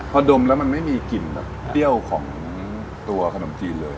พอดมแล้วมันไม่มีกลิ่นแบบเปรี้ยวของตัวขนมจีนเลย